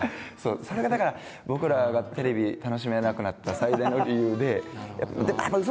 それがだから僕らがテレビ楽しめなくなった最大の理由で。